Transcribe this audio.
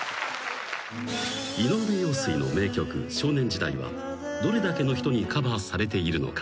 ［井上陽水の名曲『少年時代』はどれだけの人にカバーされているのか？］